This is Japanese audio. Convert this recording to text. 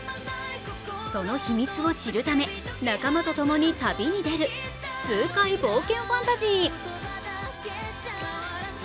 その秘密を知るため、仲間とともに旅に出る、痛快冒険ファンタジー。